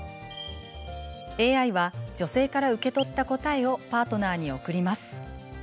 ＡＩは女性から受け取った答えをパートナーに送ります。